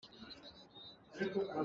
Ti nih an lei a lik dih.